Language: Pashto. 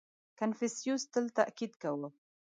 • کنفوسیوس تل تأکید کاوه.